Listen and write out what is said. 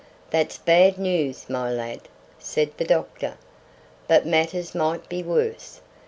"That's bad news, my lad," said the doctor, "but matters might be worse.